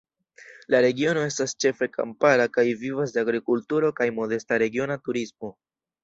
La regiono estas ĉefe kampara kaj vivas de agrikulturo kaj modesta regiona turismo.